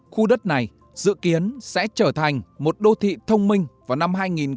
khu đất này dự kiến sẽ trở thành một đô thị thông minh vào năm hai nghìn hai mươi